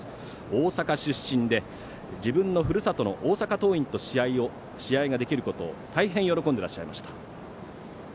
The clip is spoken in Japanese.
大阪出身で自分のふるさとの大阪桐蔭と試合ができることを大変喜んでいらっしゃいました。